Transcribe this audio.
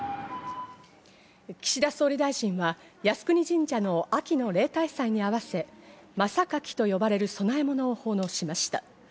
岸田総理大臣は靖国神社の秋の例大祭に合わせ、真榊と呼ばれる供え物を奉納しました。